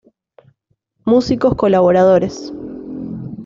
Músicos colaboradores